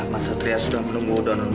masa hari ini dia juga ditunggu nanti